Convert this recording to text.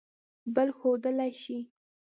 بل ښودلئ شی